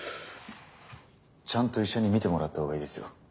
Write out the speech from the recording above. ちゃんと医者に診てもらった方がいいですよ。